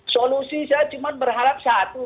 solusi saya cuma berharap satu